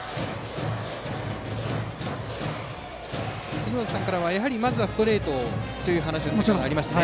杉本さんからはまずはストレートというお話が先程、ありました。